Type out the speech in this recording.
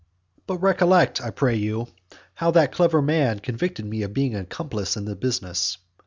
XII. But recollect, I pray you, how that clever man convicted me of being an accomplice in the business.